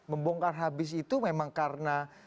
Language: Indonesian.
membongkar habis itu memang karena